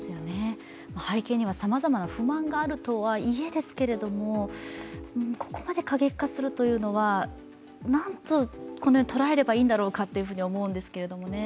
背景にはさまざまな不満があるとはいえ、ここまで過激化するというのは、なんと捉えればいいんだろうかと思うんですけどね。